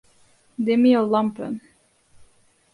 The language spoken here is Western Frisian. Dimje lampen.